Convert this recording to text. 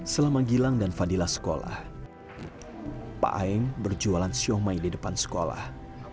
selama gilang dan fadila sekolah pak aeng berjualan siomay di depan sekolah